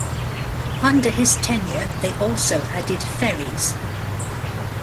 Under his tenure they also added ferries.